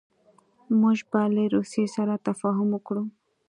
موږ به له روسیې سره تفاهم وکړو.